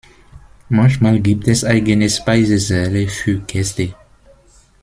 Manchmal gibt es eigene Speisesäle für Gäste.